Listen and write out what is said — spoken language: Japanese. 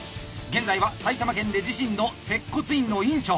現在は埼玉県で自身の接骨院の院長。